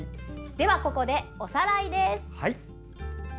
では、ここでおさらいです。